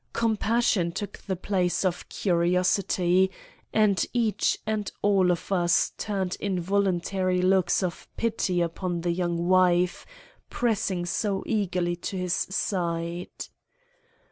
Compassion took the place of curiosity, and each and all of us turned involuntary looks of pity upon the young wife pressing so eagerly to his side.